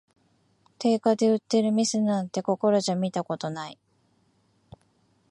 定価で売ってる店なんて、ここらじゃ見たことない